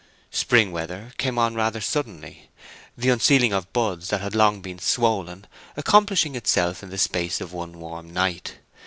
Spring weather came on rather suddenly, the unsealing of buds that had long been swollen accomplishing itself in the space of one warm night.